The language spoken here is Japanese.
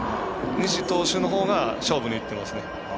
西投手のほうが勝負にいってますね。